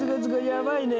やばいね。